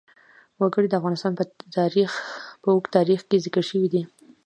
وګړي د افغانستان په اوږده تاریخ کې ذکر شوی دی.